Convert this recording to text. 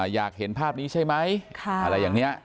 อยากเห็นภาพนี้ใช่ไหมอะไรอย่างนี้